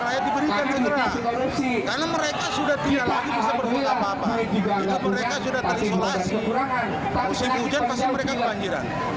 warga mendatangi kantor pengadilan negeri tangerang karena hingga kini ganti rugi lahan mereka belum juga dibayarkan oleh angga sapura